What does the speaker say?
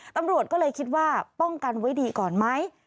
ตำรวจก็เลยคิดว่าป้องกันไว้ดีก่อนไหม